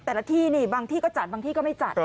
แต่ละที่นี่บางที่ก็จัดบางที่ก็ไม่จัด